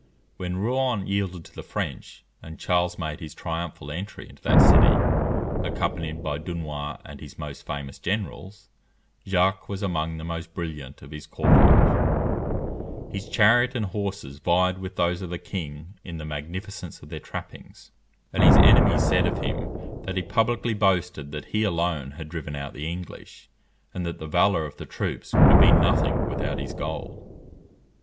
When Rouen yielded to the French, and Charles made his triumphal entry into that city, accompanied by Dunois and his most famous generals, Jacques was among the most brilliant of his cortège. His chariot and horses vied with those of the king in the magnificence of their trappings; and his enemies said of him that he publicly boasted that he alone had driven out the English, and that the valour of the troops would have been nothing without his gold.